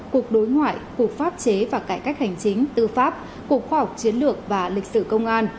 cục đối ngoại cục pháp chế và cải cách hành chính tư pháp cục khoa học chiến lược và lịch sử công an